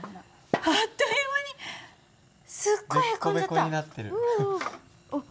あっという間にすっごいへこんじゃった。